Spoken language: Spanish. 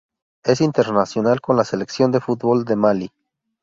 Es internacional con la selección de fútbol de Malí.